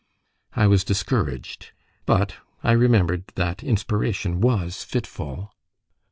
I was discouraged; but I remembered that inspiration was fitful.